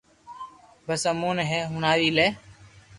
بس امو ني ھي ھڻاو وي لي